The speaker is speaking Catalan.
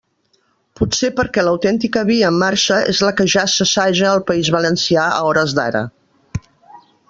Potser perquè l'autèntica via en marxa és la que ja s'assaja al País Valencià a hores d'ara.